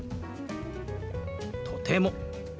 「とても」。